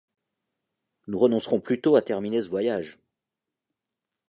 Nous renoncerons plutôt à terminer ce voyage!